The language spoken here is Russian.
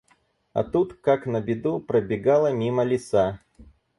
А тут, как на беду, пробегала мимо лиса.